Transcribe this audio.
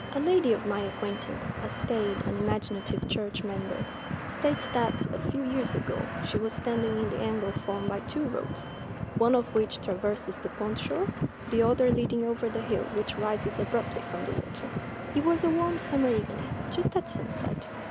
A lady of my acquaintance, a staid, unimaginative church member, states that, a few years ago, she was standing in the angle formed by two roads, one of which traverses the pond shore, the other leading over the hill which rises abruptly from the water. It was a warm summer evening, just at sunset.